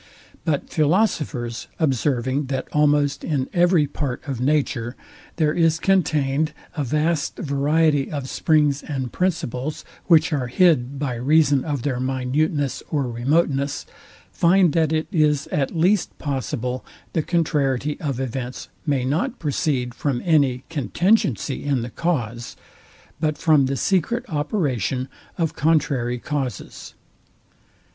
But philosophers observing, that almost in every part of nature there is contained a vast variety of springs and principles, which are hid, by reason of their minuteness or remoteness, find that it is at least possible the contrariety of events may not proceed from any contingency in the cause, but from the secret operation of contrary causes.